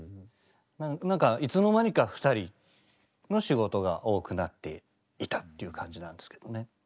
なんかいつの間にか２人の仕事が多くなっていたっていう感じなんですけどね。